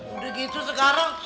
udah gitu sekarang